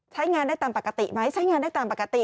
ใช้งานได้ตามปกติไหมใช้งานได้ตามปกติ